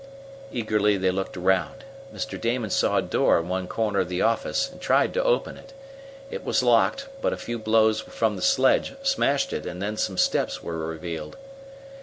Eagerly they looked around Mr. Damon saw a door in one corner of the office, and tried to open it. It was locked, but a few blows from the sledge smashed it, and then some steps were revealed.